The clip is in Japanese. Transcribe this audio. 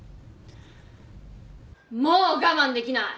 もう我慢できない。